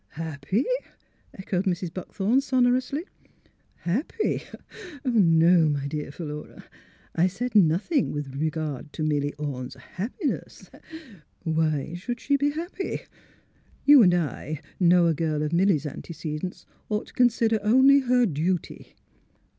" ''Happy!" echoed Mrs. Buckthorn, sonor ously. " Happy? No, my dear Philura, I said nothing with regard to Milly Orne's liappiness. Why should she be happy? You and I know a girl of Milly 's antecedents ought to consider only her duty."